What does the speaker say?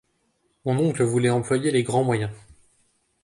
Mon oncle voulait employer les grands moyens.